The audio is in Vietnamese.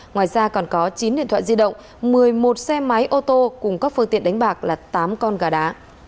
ngoài ra còn có chín điện thoại di động một mươi một xe máy ô tô cùng các phương tiện đánh bạc là tám con gà đá